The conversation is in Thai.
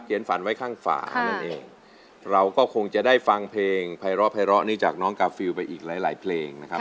เกียรติฝันไว้ข้างฝาค่ะนั่นเองเราก็คงจะได้ฟังเพลงไภร่อไภร่อนี่จากน้องกาฟิล์ไปอีกหลายหลายเพลงนะครับ